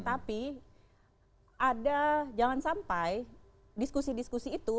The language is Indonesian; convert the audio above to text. tapi ada jangan sampai diskusi diskusi itu